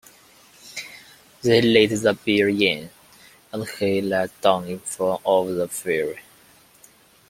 They let the bear in, and he lies down in front of the fire.